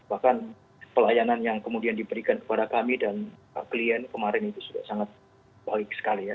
bahkan pelayanan yang kemudian diberikan kepada kami dan klien kemarin itu sudah sangat baik sekali ya